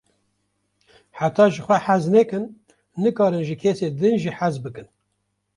Heta ji xwe hez nekin, nikarin ji kesên din jî hez bikin.